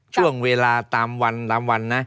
ส่วนเวลาตามวันนะ